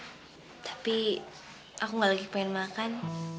tapi aku gak lagi pengen makan